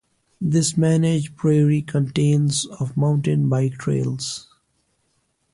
This managed prairie contains of mountain bike trails.